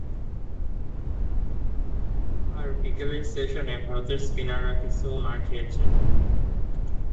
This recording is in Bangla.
আর বিকেলের সেশনে ভারতের স্পিনাররা কিছু মার খেয়েছে।